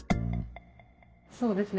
そうですね。